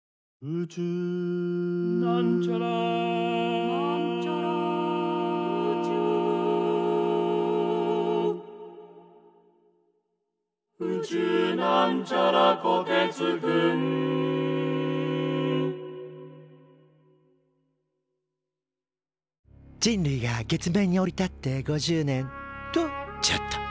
「宇宙」人類が月面に降り立って５０年。とちょっと。